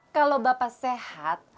kalau bapak sehat